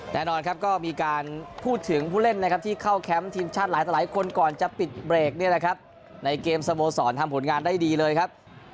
แน่นอนมีการพูดถึงผู้เล่นที่เข้าแคมป์ทีมชาติหลายคนก่อนจะปิดเบรกในเกมสโมสรทำผลงานได้ดีเลยครับ